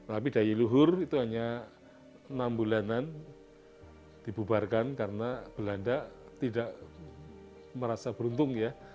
tapi dayi luhur itu hanya enam bulanan dibubarkan karena belanda tidak merasa beruntung ya